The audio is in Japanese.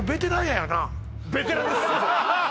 ベテランです